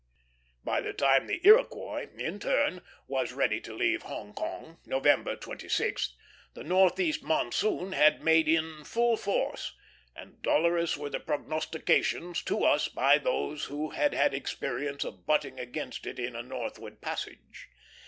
By the time the Iroquois, in turn, was ready to leave Hong Kong November 26th the northeast monsoon had made in full force, and dolorous were the prognostications to us by those who had had experience of butting against it in a northward passage.